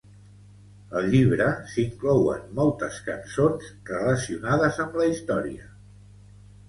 Al llibre s'inclouen moltes cançons relacionades amb la història.